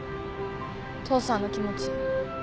父さんの気持ち。